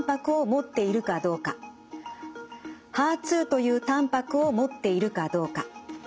ＨＥＲ２というたんぱくを持っているかどうか。